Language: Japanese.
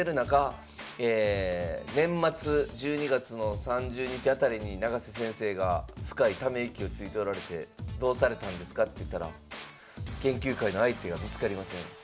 年末１２月の３０日辺りに永瀬先生が深いため息をついておられて「どうされたんですか？」って言ったら「研究会の相手が見つかりません」。